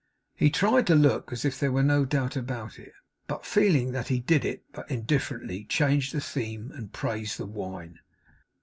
He tried to look as if there were no doubt about it; but feeling that he did it but indifferently, changed the theme and praised the wine.